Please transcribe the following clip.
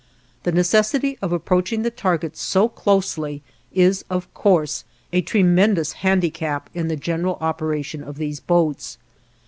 The necessity of approaching the target so closely is, of course, a tremendous handicap in the general operation of these boats.